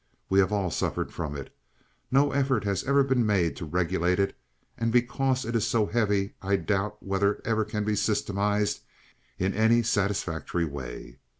We have all suffered from it. No effort has ever been made to regulate it, and because it is so heavy I doubt whether it ever can be systematized in any satisfactory way.